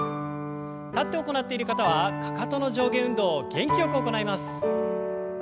立って行っている方はかかとの上下運動を元気よく行います。